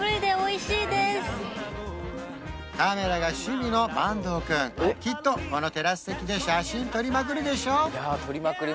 カメラが趣味の坂東君きっとこのテラス席で写真撮りまくるでしょ？